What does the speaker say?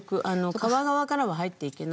皮側からは入っていけないので。